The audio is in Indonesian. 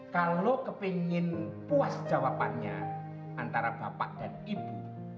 kalau kepingin puas jawabannya antara bapak dan ibu